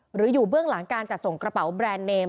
หรืออยู่เบื้องหลังการจัดส่งกระเป๋าแบรนด์เนม